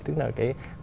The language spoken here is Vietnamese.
tức là cái giá sáng